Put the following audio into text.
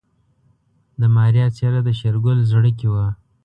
د ماريا څېره د شېرګل زړه کې وه.